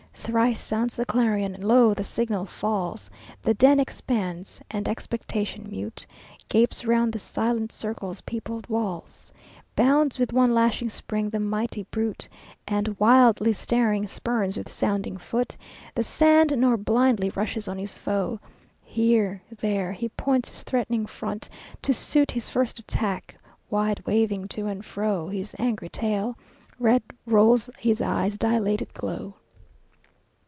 "Thrice sounds the clarion; lo! the signal falls, The den expands, and expectation mute Gapes round the silent circle's peopled walls. Bounds with one lashing spring the mighty brute, And, wildly staring, spurns with sounding foot The sand, nor blindly rushes on his foe; Here, there, he points his threatening front, to suit His first attack, wide waving to and fro His angry tail; red rolls his eye's dilated glow."